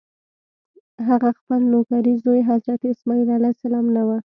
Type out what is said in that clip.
هغه خپل نوکرې زوی حضرت اسماعیل علیه السلام نه و.